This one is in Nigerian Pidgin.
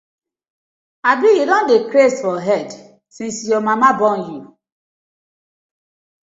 Abi yu don dey craze for head since yur mama born yu.